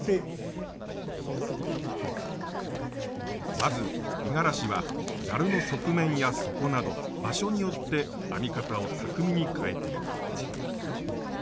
まず五十嵐はザルの側面や底など場所によって編み方を巧みに変えていく。